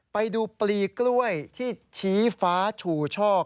ไปดูปลีกล้วยที่ชี้ฟ้าชูชอก